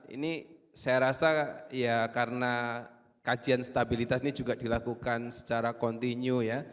ini saya rasa ya karena kajian stabilitas ini juga dilakukan secara kontinu ya